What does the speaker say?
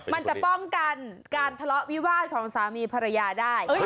มันจะป้องกันการทะเลาะวิวาสของสามีภรรยาได้